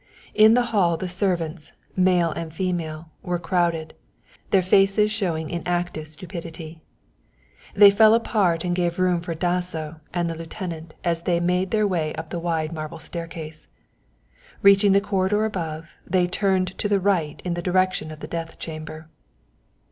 In the hall the servants, male and female, were crowded, their faces showing inactive stupidity. They fell apart and gave room for Dasso and the lieutenant as they made their way up the wide marble staircase. Reaching the corridor above, they turned to the right in the direction of the death chamber.